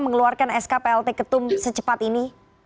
mengeluarkan sk plt ketum secepat ini